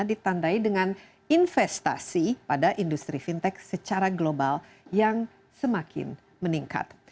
ditandai dengan investasi pada industri fintech secara global yang semakin meningkat